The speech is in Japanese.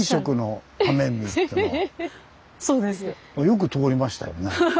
よく通りましたよね。